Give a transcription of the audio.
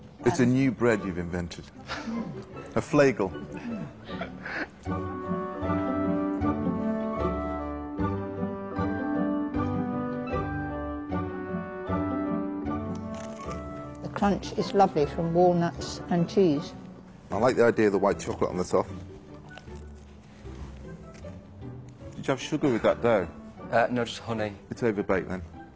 はい。